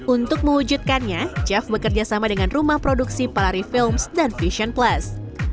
untuk mewujudkannya jav bekerja sama dengan rumah produksi palari films dan vision plus